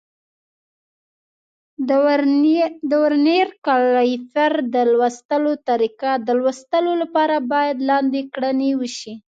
د ورنیر کالیپر د لوستلو طریقه: د لوستلو لپاره باید لاندې کړنې وشي.